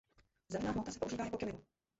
Zelená hmota se užívá jako krmivo.